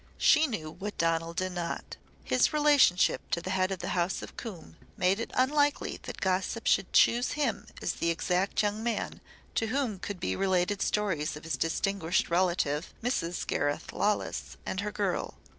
She knew what Donal did not. His relationship to the Head of the House of Coombe made it unlikely that gossip should choose him as the exact young man to whom could be related stories of his distinguished relative, Mrs. Gareth Lawless and her girl.